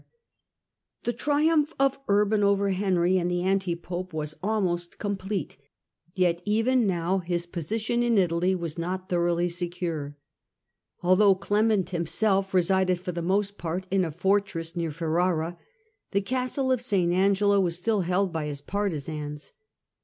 ^^^^^ The triumph of Urban over Henry and the anti pope was almost complete, yet even now his position in Italy was not thoroughly secure. Although Clement himself resided for the most part in a fortress near Ferrara, the castle of St. Angelo was still held by his partisans.